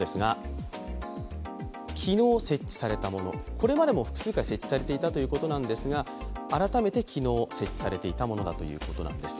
これまでも複数回設置されていたということですが改めて昨日、設置されていたものだということなんです。